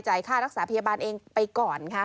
ค่ารักษาพยาบาลเองไปก่อนค่ะ